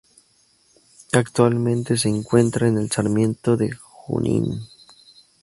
Actualmente se encuentra en el Sarmiento de Junín.